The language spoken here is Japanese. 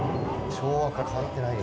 昭和から変わってないよ。